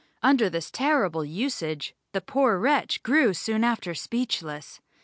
Under this terrible usage the poor wretch grew soon after speechless.